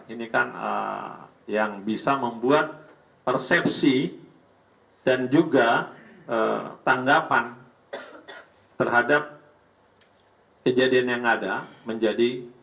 ini kan yang bisa membuat persepsi dan juga tanggapan terhadap kejadian yang ada menjadi